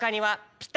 ピタ？